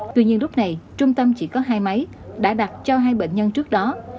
tuy nhiên lúc này trung tâm chỉ có hai máy đã đặt cho hai bệnh nhân trước đó